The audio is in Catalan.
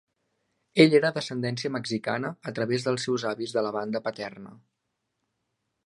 Ell era d'ascendència mexicana a través del seus avis de la banda paterna.